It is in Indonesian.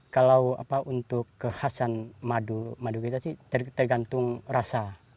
kalau untuk kekhasan madu madu kita sih tergantung rasa